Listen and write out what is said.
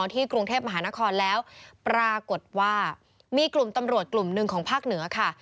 ที่กรุงเทพมหานครแล้วปรากฏว่ามีกลุ่มตำรวจกลุ่มหนึ่งของภาคเหนือค่ะ